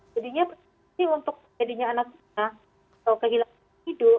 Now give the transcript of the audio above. jadinya untuk jadinya anak atau kehilangan hidup